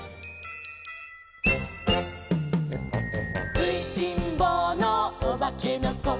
「くいしんぼうのおばけのこ」